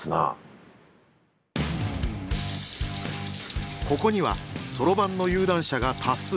ここにはそろばんの有段者が多数。